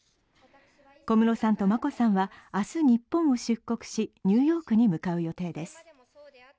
小室さんと眞子さんは明日日本を出国しニューヨークに向かう予定です。